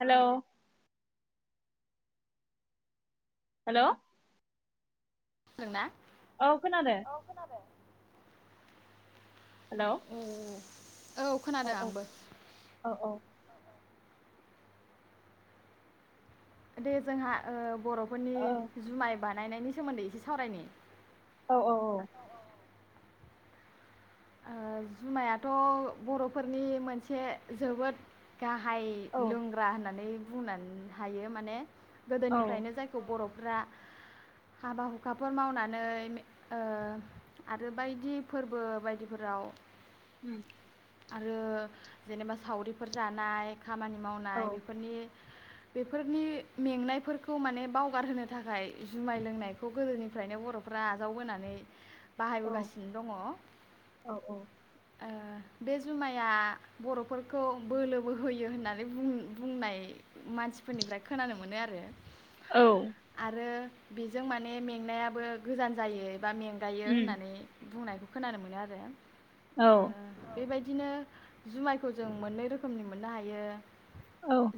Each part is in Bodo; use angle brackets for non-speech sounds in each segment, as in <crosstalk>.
हेलौ हेलौ <unintelligible> औ खोनादो औ औ औ औ औ औ दे जोंहा ओ बर'फोरनि जुमाय बान नायनायनि सोमोन्दै एसे सावरायनि औ औ औ ओ जुमायाथ' बर'फोरनि मोनसे जोबोद गाहाय लोंग्रा होननानै बुंनानै हायो माने गोदोनिफ्रायनो जायखौ बर' फ्रा हाबा हुखाफोर मावनानै ओ आरो बायदि फोरबो बायदि फोराव उम आरो जेनेबा सावरिफोर जानाय खामानि मावनाय बेफोरनि बेफोरनि मेंनायफोरखौ माने बावगारहोनो थाखाय जुमाय लोंनायखौ गोदोनिफ्रायनो बर'फ्रा आजावबोनानै बाहायबोगासिनो दङ' ओ बे जुमाया बर'फोरखौ बोलोबो होयो होननानै बुं बुंनाय मानसिफोरनिफ्राय खोनानो मोनो आरो आरो बेजों माने मेंनायाबो गोजान जायो बा मेंगायो होननानै बुंनाय खोनानो मोनो आरो ओ बेबायद दिनो जुमायखौ जों मोननै रोखोमनि मोननो हायो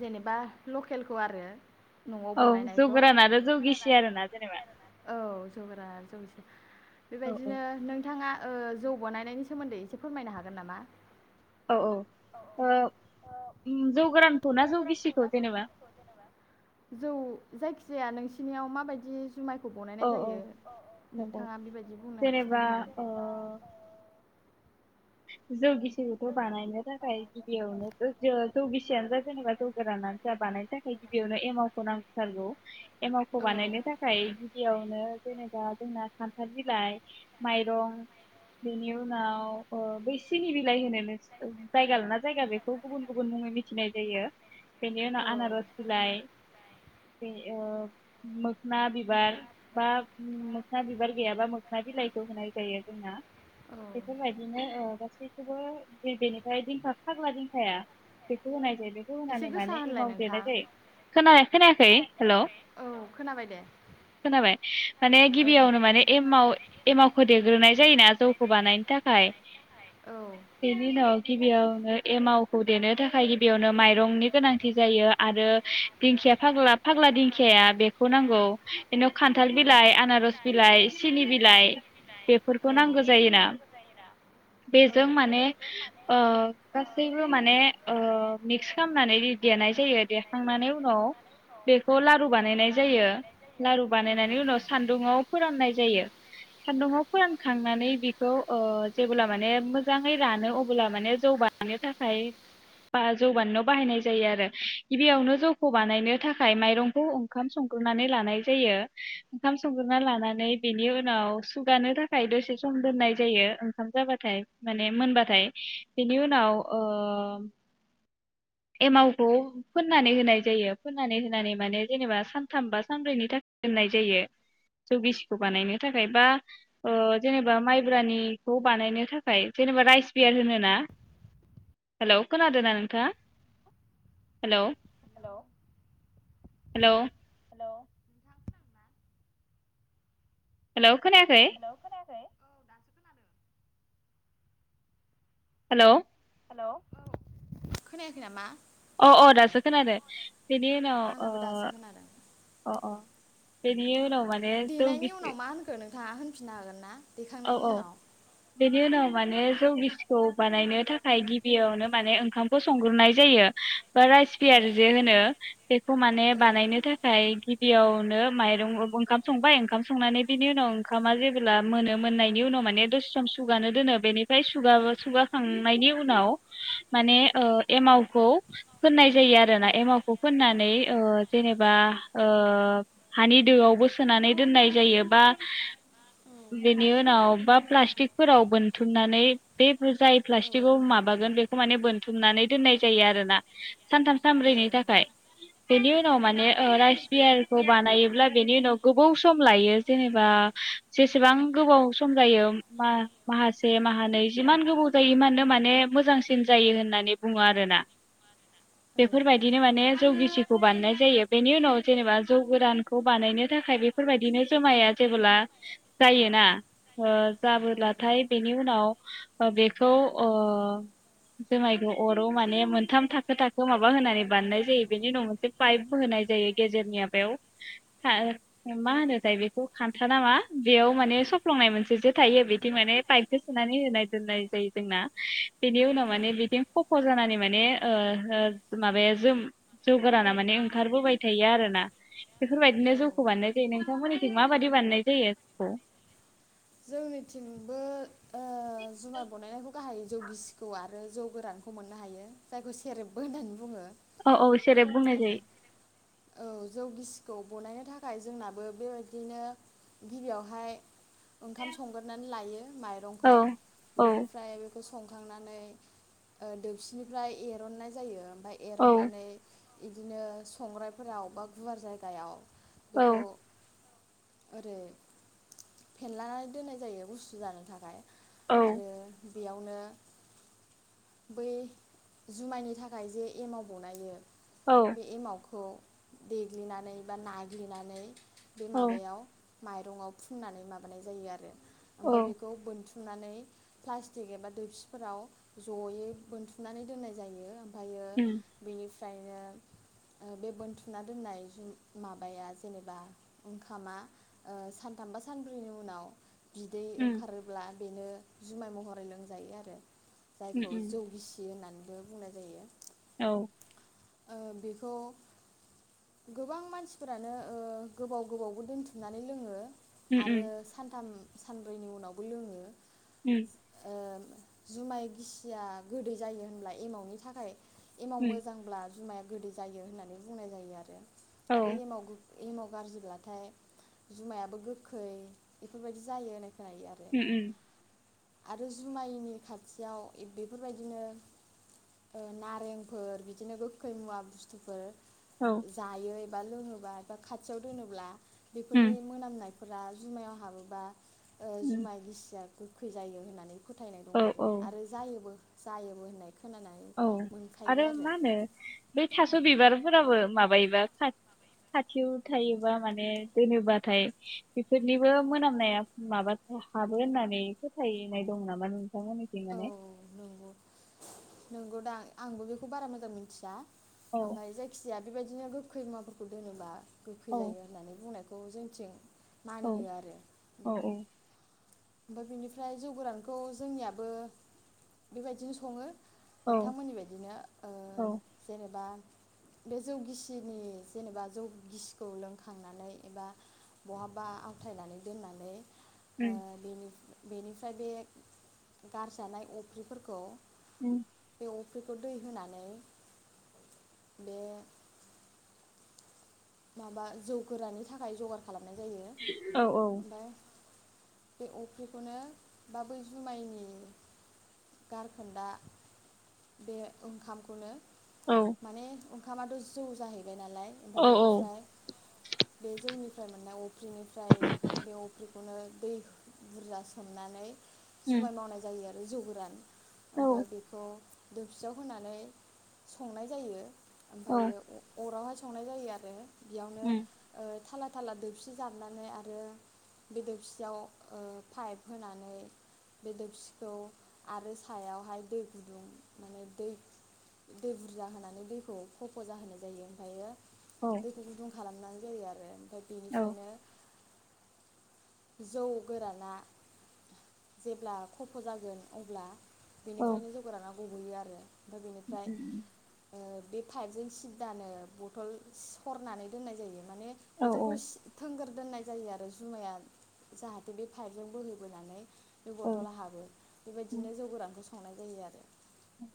जेनेबा लखेलखौ आरो औ जौ गोरान आरो जौ गिसि आरोना जेनेबा जौ गोरान जौ गिसि बेबायदिनो नोंथाङा ओ जौ बनायनायनि सोमोन्दै एसे फोरमायनो हागोन नामा? औ औ ओ जौ गोरानखौ ना जौ गिसिखौ जेनेबा? जौ जायखि जाया नोंसिनियाव माबायदि जुमाइखौ बनायनाय जायो नोंथाङा बेबायदि बुंनो खिन्थानो हागोन। जेनेबा ओ जौ गि सिखौथ' बानायनो थाखाय गिबियावनो <unintelligible> जौ गिसियानो जा जेनेबा जौ गोरानानो जा बानायनो थाखाय गिबियावनो एमावखौ नांथारगौ। एमावखौ बानायनो थाखाय गिबियावनो जेनेबा जोंना खान्थाल बिलाइ माइरं बेनि उनाव अ बै सिनि बिलाइ होनो जायगा लाना जायगा बेखौ गुबुन गुबुन मुङै मिथिनाय जायो। बेनि उनाव आनारस बिलाइ बे ओ मोखना बिबार बा मोखना बिबार गैयाबा मोखना बिलाइखौ होनाय जायो जोंना। बेफोरबायदि बिदिनो ओ गासैखौबो बेनिफ्राय दिंखा फाग्ला दिंखाया बेखौ होनाय होन म एमाव देरनाय जायो खोनायाखै हेल' खोनाबाय माने गिबियावनो माने एमावखौ देग्रोनाय जायोना जौखौ बानायनो थाख फाय बेनि उनाव गिबियावनो एमावखौ देनो थाखाय गिबियावनो माइरंनि गोनांथि जायो आरो दिंखिया फाग्ला फाग्ला दिंखिया बेखौ नांगौ बेनि उनाव खान्थाल बिलाइ आनारस बिलाइ, सिनि बिलाइ बेफोरखौ नांगौ जायोना। बेजों माने ओ गासैबो माने ओ मिक्स खालामनानै देनाय जायो देखांनानै उनाव बेखौ लारु बानायनाय जायो लारु बानायनानै उनाव सान्दुुंआव फोराननाय जायो सानदुंआव फोरानखांनानै बेखौ ओ जेब्ला माने मोजाङै रानो अब्ला माने जौ बानायनो थाखाय बा जौ बानायनायाव बाहायनाय जायो आरो। गिबियावनो जौखौ बानायनो थाखाय माइरंखौ ओंखाम संग्रोनानै लानाय जायो। ओंखाम संग्रोना लानानै बेनि उनाव सुगानो थाखाय दसे सम दोननाय ज जायो ओंखाम जाबाथाय मोनबाथाय बेनि ओ एमावखौ फोननानै होनाय जायो। फोननानै होनानै मानि जेनोबा सानथाम बा सानब्रैनि थाखाय दोननाय जायो। जौ गिसिखौ बानायनो थाखाय बा ओ जेनेबा माइ ब्रानिखौ बानायनो थाखाय जेनेबा राइस बियार होनो ना, हेल' खोनादोंना नोंथां? हेल'! हेल' हेल' हेल' खोनायाखै? खोयाखै औ दासो खोनादो। हेल' हेल'! औ खोनायाखै नामा? अ अ दासो खोनादो। बेनि उनाव ओ अ अ। बेनि उनाव माने जौ गिसि थाङा होनफिननो हागोन ना? औ औ बेनि उनाव माने जौ गिसिखौ बानायनो थाखाय गिबियावनो माने ओंखामखौ संग्रोनाय जायो बा राइस बियार जे होनो बेखौ माने बानायनो थाखाय गि बेयावनो माइरं ओंखाम संबाय ओंखाम संनानै बिनि उनाव ओंखामा जेब्ला मोनो मोननायनि उनाव माने दसे सम सुगानो दोनो बेनिफ्राय सुगा-सुगाखांनायनि उनाव माने एमावखौ फोननाय जायो आरोना एमावखौ फोननानै जेनेबा हानि दोआवबो सोनानै दोननाय जायो बा बेनि उनाव बा प्लास्टिकफोराव बोनथुमनानै बे जाय प्लास्टिकआव माबागोन बे माने बोनथुमनानै दोननाय जायो आरोना सानथाम सानब्रैनि थाखाय बेनि उनाव माने ओ राइस बियारखौ बानायोब्ला बेनि उनाव गोबाव सम लायो जेनेबा जेसेबां गोबाव सम जायो माहासे माहानै जिमान गोबाव जायो मानानो माने मोजांसिन जायो होननानै बुङो आरो ना बेफोरबायदिनो माने जौ गिसिखौ बानायनाय जायो बेनि उनाव जेनेबा जौ गोदानखौ बानायनो थाखाय बेफोरबायदिनो जमाया जेबोब्ला जायो ना ओ जाबोब्लाथाय बेनि उनाव बेखौ ओ जुमायखौ अराव माने मोनथाम थाखो थाखो माबा होनानै बानायनाय जायो बेनि उनाव मोनसे पाइप होनाय जायो गेजेरनि माबायाव माहोनो थाय बेखौ खान्था नामा बेयाव माने खफ्लंनाय मोनसे जो थायो बिथिं माने पाइपखौ सोनानै होनाय दोननाय जायो जोंना बिनिउनाव माने बिदिं खफ जानानै माने ओ ओ माबाया जो जौगोराना माने ओंखारबोबाय थायो आरो ना बेफोरबायदिनो जौखौ बानायनाय जायो नोंथांमोननि माबायदि बाननाय जायो जोंनिथिंबो ओ जुमाय बनायनायखौ गाहाय जौ गिसिखौ आरो जौ गोरानखौ मोननो हायो जायखौ सेरेबबो होननानै बुङो औ औ सेरेब बुंनाय जायो औ जौ गिसिखौ बनायनो थाखाय जोंनाबो बेबायदिनो गिबियावहाय ओंखाम संगोरनानै लायो माइरंखौ बेनिफ्राय बे संखांनानै ओ दौसिनिफ्राय एरननाय जायो एरननानै बिदिनो संग्रायफोराव बा गुवार जायगायाव बेखौ आरै फेनलनानै दोननाय जायो गुसु जानो थाखाय आरो बेयावनो बै जुमायनि थाखाय जे एमाव बनायो बे एमावखौ खौ देग्लिनानै बा नाग्लिनानै बे माबायाव माइरंआव फुननानै माब बानाय जायो आरो। ओमफाय बेखौ बोनथु नानै प्लास्टिक एबा दैसिफोराव जयै बोनथुमनानै दोननाय जायो। आम ओम फ्रायनो ओ बे बोनथुना दोननाय जुम माबाया जेनेबा ओंखामा ओ सानथामबा सा ब्रैनि उनाव बिदै ओंखारोब्ला बेनो जुमाय महरै लोंजायो आरो। जायखौ जौ गिसि होननानै बो बुंनाय जायो। औ ओ बेखौ गोबां मानसिफोरानो ओ गोबाव गोबावबो दोनथुमनानै लोङो आरो सानथाम सानब्रैनि उनावबो लोङो। ओ जुमाय गिसिया गोदै जायो होनब्ला एमावनि थाखाय एमाव मोजांब्ला जुमाया गोदै जायो होननानै बुंनाय जायो आरो। आरो एमाव गो एमाव गाज्रिब्लाथाय जुमायाबो गोखै बेफोरबायदि जायो होननाय खोनायो। उम उम आरो जुमायनि खाथियाव बेफोरबायदिनो ओ नारेंफोर बिदिनो गो खै मुवा बुस्थुफोर जायो बा लोङोबा एबा खाथियाव दोनोब्ला बेफोरनि मोनामनायफोरा जुमायाव हाबोबा ओ जुमाय गिसिया गो खै जायो होननानै फोथायनाय दं आरो आरो जायोबो जायोबो होननाय खोनानाय मोनखायोबो आरो। बै थास' बिबारफोराबो माबायोबा खा-खाथियाव थायोबा माने दोनोबाथाय बेफोरनिबो मोनामनाया माबा हाबो होननानै फोथायनाय दं नामा नों थां मोननिथिं माने। नंगौदां आंबो बेखौ बारा मोजां मिथिया ओमफाय जायखिजाया बेबायदिनो गो खैमाफोरखौ दोनोबा गोखै जायो होननानै बुंनायखौ। खौ जोंथिं मानियो आरो। ओमफ्राय बिनिफ्राय जौ गोरानखौ जोंनियाबो बेबायदिनो सङो। नोंथांमोननि बायदिनो ओ जेनेबा बे जौ गिसिनि जेनेबा जौ गिसिखौ लोंखांनानै एबा बहाबा आवथायनानै दोननानै। उम। बेनिफ्रा बेनिफ्राय बे गारजानाय अफ्रिफोरखौ। उम। फ्रिखौ दै होनानै बे माबा जौ गोराननि थाखाय जगार औ औ बे अफ्रिखौनो बा बै जुमायनि गारखोन्दा बे ओंखामखौनो- माने- ओंखामआथ' जौ जाहै बाय नालाय ओमफ्राय बेनि बे जौनिफ्राय मोननाय अफ्रिनिफ्राय बे अफ्रिखौनो दै बुरजा सोमनानै। जुमाय मावनाय जायो आरो। आरो जौ गोरान ओमफाय बेखौ। दोबसियाव होनानै संनाय जायो। ओमफायो अ अराव संनाय जायो आरो। बेयावनो थाला फाथाला दोबसि जाबनानै आरो बे दोबसियाव पाइप होनानै बे दोबसिखौ आरो सायावहाय दै गुदुं माने दै दै बुरजा होनानै दैखौ खफ' जाहोनाय जायो ओमफायो। दैखौ गुदुं खालामनाय जायो आरो। बेनिफ्रायनो जौ गोराना जेब्ला खफ' जागोन अब्ला बेनिफ्रायनो जौ गोराना गुबोयो आरो। ओ बिनिफ्राय ओ। बे पाइपजों सिददानो बथल सरनानै दोननाय जायो। माने बथलखौ <unintelligible> थोंगोर दोननाय जायो आरो जुमाया जाहाथे बे पाइपजों बोहैबोनानै बे बथ'ला हाबो बेबायदिनो जौ गोरानखौ स संनाय जायो आरो। उम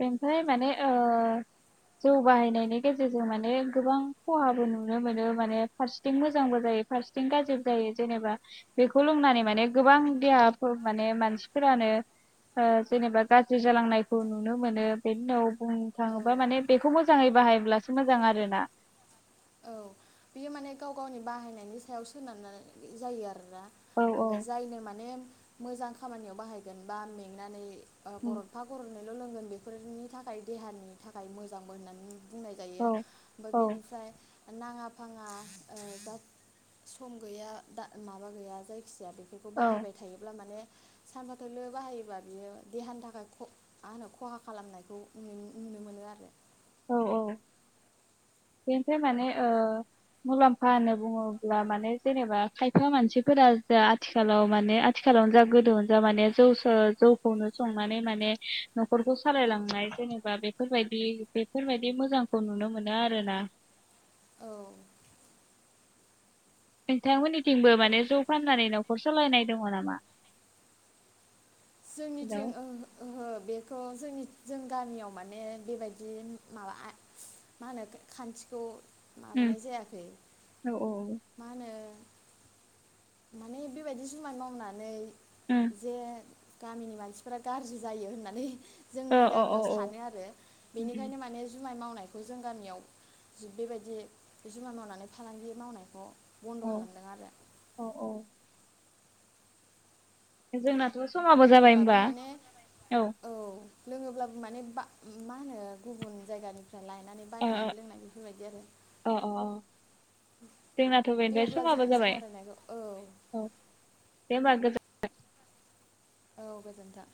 बेमफ्राय माने ओ जौ बाहायनायनि गेजेरजों माने गोबां खहाबो नुनो मोनो माने फारसेथिं मोजांबो जायो फारसेथिं गाज्रिबो जायो जेनेबा बेखौ लोंनानै माने गोबां देहाफोर माने मानसिफोरानो ओ जेनेबा गाज्रि जालांनायखौ नु नुनो मोनो बेनि उनाव बुंनो थाङोबा माने बेखौ मोजाङै बाहायब्लासो मोजां आरोना। औ बियो माने गाव गावनि बाहायनायनि सायाव सोनारनाय जायो आरो। रोना ओमफ्राय जायनो माने मोजां खामानियाव बाहायगोन बा मेंनानै गरथफा गरथनै ल' लोंगोन बेफोरनि थाखाय देहानि थाखाय मोजांबो होननानै बुं बुंनाय जायो ओमफाय बेनिफ्राय नाङा फाङा ओ दा सम गैया माबा गैया जायो सिया बेफोरखौ बाहायबाय थायोब्ला माने सानफाथ'लो बाहायोबा बियो देहानि थाखाय ख मा होनो खहा खालामनायखौ नु-नुनो मोनो आरो बेनिफ्राय माने ओ मुलाम्फा होननानै बुङोब्ला माने जेनेबा खायफा मानसिफोरा जा आथिखालाव माने आथिखालावनो जा गोदोआवनो जा माने जौसो जौखौनो संनानै माने न'खरखौ सालायलांनाय जेनेबा बेफोरबायदि बेफोरबायदि मोजांखौ नुनो मोनो आरो। ना औ। नोंथांमोननि थिंबो माने जौ फाननानै न' न'खर सालायनाय दङ नामा? जोंनिथिं ओ ओहो बे ख जोंनि जों गामियाव माने बेबायदि माबा आ मा होनो खान्थिखौ माबानाय जायाखै मा होनो माने बेबायदि जुमाय मावनानै जे गामिनि मानसिफोरा गाज्रि जायो होननानै जोंनि गामियाव सानो आरो बेनिखायनो माने जुमाय मावनाय बेखौ जों गामियाव जु बेबायदि जुमाय मावनानै फालांगि मावनायखौ बन्द' खालामदों आरो। जोंना समाबो जाबाय होनबा औ। लोङोब्लाबो माने बा मा होनो गुबुन जायगानि लायनानै बायनानै लोंनाय बेफोरबायदि आरो दे अब्ला जोंनि सावरायनायखौ औ। <inaudible> औ गोजोन्था